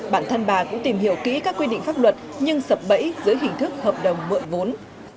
bản thân bà cũng tìm hiểu kỹ các quy định pháp luật nhưng sập bẫy dưới hình thức hợp đồng mượn vốn